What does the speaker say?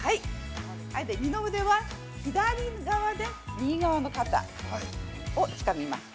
二の腕は、左側で右側の肩それをつかみます。